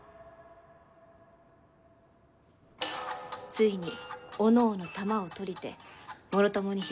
「ついにおのおの玉をとりてもろともに跪き